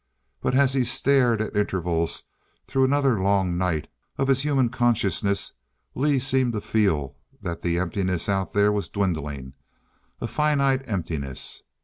But as he stared at intervals through another long night of his human consciousness, Lee seemed to feel that the emptiness out there was dwindling a finite emptiness.